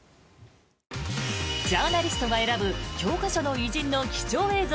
ジャーナリストが選ぶ教科書の偉人の貴重映像